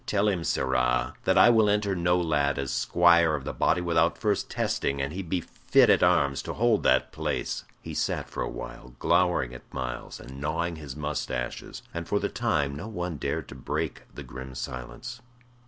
Tell him, sirrah, that I will enter no lad as squire of the body without first testing an he be fit at arms to hold that place." He sat for a while glowering at Myles and gnawing his mustaches, and for the time no one dared to break the grim silence.